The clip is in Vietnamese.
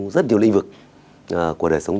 rất nhiều lĩnh vực của đời sống